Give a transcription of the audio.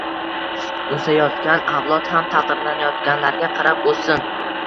O‘sayotgan avlod ham taqdirlanayotganlarga qarab o‘ssin.